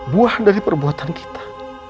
buah dari perbuatan kita